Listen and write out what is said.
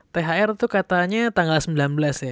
thr tuh katanya tanggal sembilan belas ya